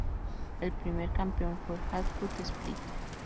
El primer campeón fue Hajduk Split.